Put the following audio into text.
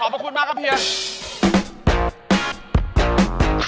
การตอบคำถามแบบไม่ตรงคำถามนะครับ